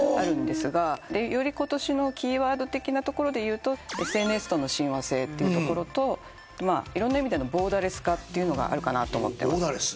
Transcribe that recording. よりことしのキーワード的なところでいうとＳＮＳとの親和性っていうところといろんな意味でのボーダーレス化というのがあるかなと思ってます。